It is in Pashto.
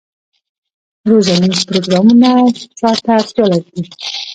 روزنیز پروګرامونه چا ته اړتیا دي؟